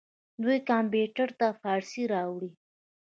دوی کمپیوټر ته فارسي راوړې.